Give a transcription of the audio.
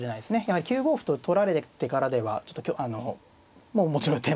やはり９五歩と取られてからではちょっともうもちろん打てませんので。